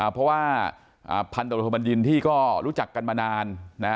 เพราะว่าพันธบทบัญญินที่ก็รู้จักกันมานาน